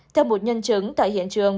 theo một nhân chứng tại hiện trường